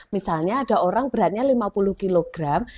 misalnya ada orang beratnya lima puluh kilogram